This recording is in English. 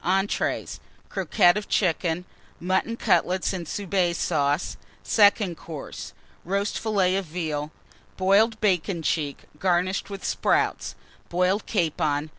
ENTREES. Croquettes of Chicken. Mutton Cutlets and Soubise Sauce. SECOND COURSE. Roast Fillet of Veal. Boiled Bacon cheek garnished with Sprouts. Boiled Capon.